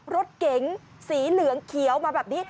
รถเก๋งสีเหลืองเขียวมาแบบนี้